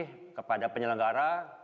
terima kasih kepada penyelenggara